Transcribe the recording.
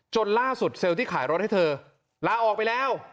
ล่าสุดเซลล์ที่ขายรถให้เธอลาออกไปแล้ว